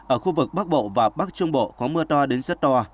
ở khu vực bắc bộ và bắc trung bộ có mưa to đến rất to